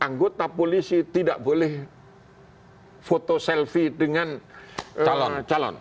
anggota polisi tidak boleh foto selfie dengan calon